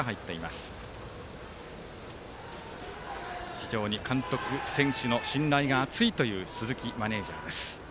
非常に監督選手の信頼が厚いという鈴木マネージャーです。